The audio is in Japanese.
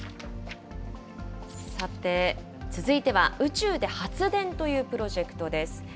さて、続いては宇宙で発電というプロジェクトです。